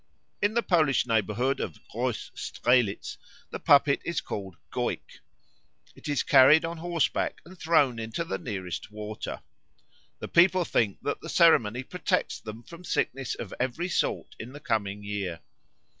In the Polish neighbourhood of Gross Strehlitz the puppet is called Goik. It is carried on horseback and thrown into the nearest water. The people think that the ceremony protects them from sickness of every sort in the coming year.